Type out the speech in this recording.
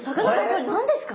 これ何ですか？